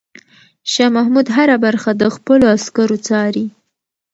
شاه محمود هره برخه د خپلو عسکرو څاري.